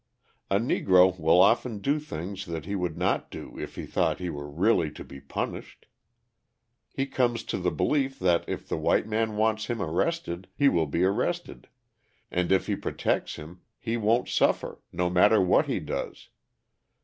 A Negro will often do things that he would not do if he thought he were really to be punished. He comes to the belief that if the white man wants him arrested, he will be arrested, and if he protects him, he won't suffer, no matter what he does.